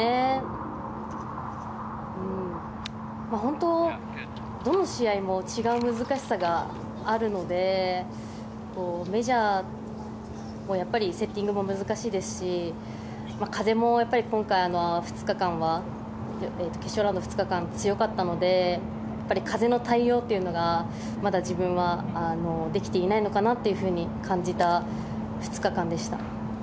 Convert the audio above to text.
本当、どの試合も違う難しさがあるのでメジャーも、やっぱりセッティングも難しいですし風も今回の２日間は決勝ラウンド２日間強かったので風の対応というのがまだ自分はできていないのかなと感じた２日間でした。